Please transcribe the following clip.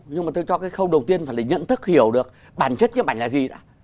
nhưng mà tôi cho cái khâu đầu tiên phải là nhận thức hiểu được bản chất nhếp ảnh là gì đã